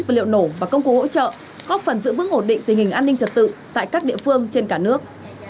vật liệu nổ và công cụ hỗ trợ góp phần giữ vững ổn định tình hình an ninh trật tự tại các địa phương trên cả nước